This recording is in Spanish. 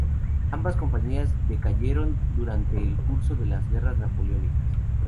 Ambas compañías decayeron durante el curso de las Guerras Napoleónicas.